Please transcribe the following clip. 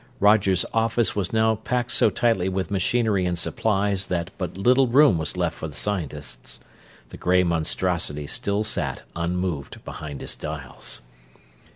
Roger's "office" was now packed so tightly with machinery and supplies that but little room was left for the scientists. The gray monstrosity still sat unmoved behind his dials.